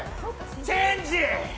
チェンジ。